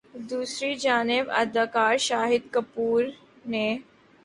دوسری جانب اداکار شاہد کپور نے